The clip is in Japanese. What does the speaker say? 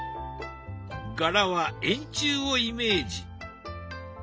柄は円柱をイメージ。